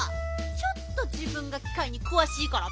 ちょっとじぶんがきかいにくわしいからって。